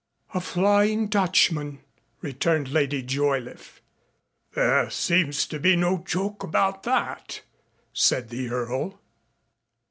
"A Flying Dutchman," returned Lady Joyliffe. "There seems to be no joke about that," said the Earl.